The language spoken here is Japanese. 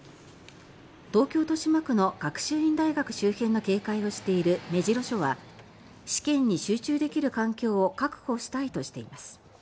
東京・豊島区の学習院大学周辺の警戒をしている目白署は試験に集中できる環境を確保したいとしています。